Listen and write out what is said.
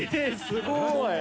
すごい！